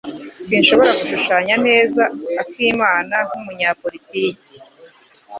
Sinshobora gushushanya neza akimana nkumunyapolitiki.